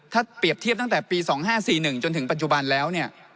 ถ้าเปรียบเทียบตั้งแต่ปี๒๕๔๑จนถึงปัจจุบันแล้วเนี่ย